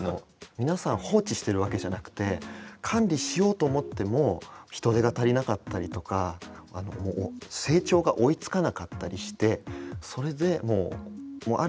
皆さん放置してるわけじゃなくて管理しようと思っても人手が足りなかったりとか成長が追いつかなかったりしてそれでもうある意味でもう困ってるんですよね。